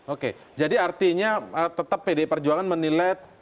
oke jadi artinya tetap pdi perjuangan menilai